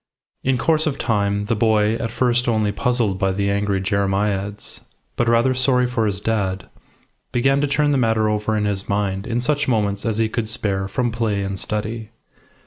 In course of time the boy, at first only puzzled by the angry jeremiads, but rather sorry for his dad, began to turn the matter over in his mind in such moments as he could spare from play and study.